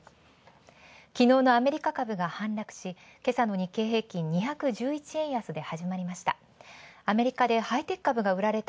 きのうのアメリカ株が反落し、けさの日経平均、２１１円安で始まりました。